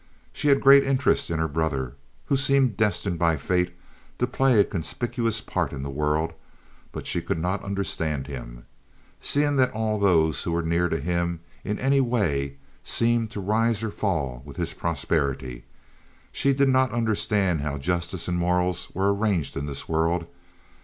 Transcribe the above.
She had great interest in her brother, who seemed destined by fate to play a conspicuous part in the world; but she could not understand him. Seeing that all those who were near to him in any way seemed to rise or fall with his prosperity, she did not understand how justice and morals were arranged in this world.